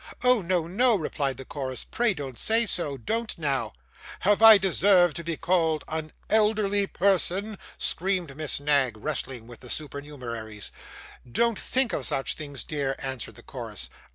'Oh no, no,' replied the chorus, 'pray don't say so; don't now!' 'Have I deserved to be called an elderly person?' screamed Miss Knag, wrestling with the supernumeraries. 'Don't think of such things, dear,' answered the chorus.